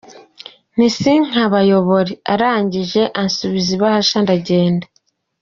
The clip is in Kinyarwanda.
Nti sinkabayobore, arangije ansubiza ibahasha ndagenda.